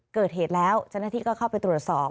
เกิดเหตุแล้วเจ้าหน้าที่ก็เข้าไปตรวจสอบ